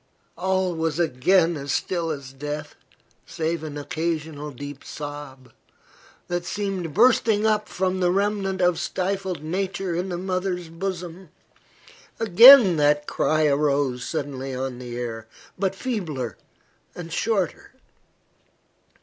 All was again still as death, save an occasional deep sob, that seemed bursting up from the remnant of stifled nature in the mother's bosom. Again that cry arose suddenly on the air, but feebler and shorter.